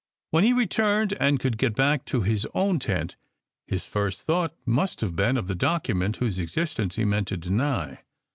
When he returned and could get back to his own tent, his first thought must have been of the document whose existence he meant to deny.